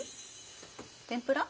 天ぷら？